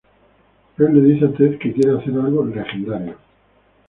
Él le dice a Ted que quiere hacer algo "legendario".